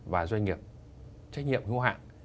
và doanh nghiệp trách nhiệm hữu hạn